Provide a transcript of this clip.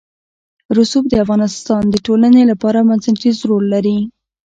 رسوب د افغانستان د ټولنې لپاره بنسټيز رول لري.